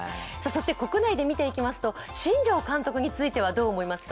国内で見ていきますと新庄監督についてはどう思いますか。